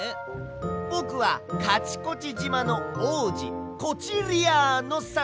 ぼくはカチコチじまのおうじコチリアーノ３せい！